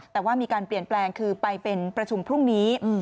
แต่ว่ามีการเปลี่ยนแปลงคือไปเป็นประชุมพรุ่งนี้